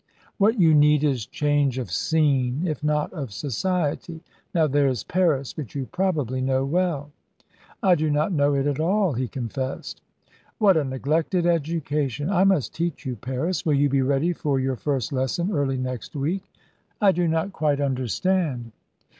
"What you need is change of scene, if not of society. Now there is Paris, which you probably know well." "I do not know it at all," he confessed. "What a neglected education! I must teach you Paris. Will you be ready for your first lesson early next week?" "I do not quite understand."